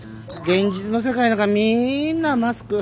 現実の世界なんかみんなマスク。